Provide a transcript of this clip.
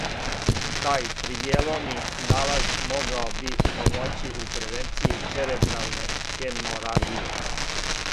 Тај пријеломни налаз могао би помоћи у превенцији церебралне хеморагије.